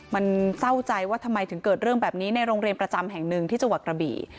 มันเศร้าใจว่าทำไมถึงเกิดเรื่องแบบนี้ในโรงเรียนประจำแห่งหนึ่งที่จังหวัดกระบี่